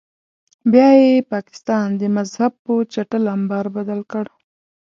بیا یې پاکستان د مذهب په چټل امبار بدل کړ.